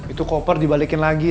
itu koper dibalikin lagi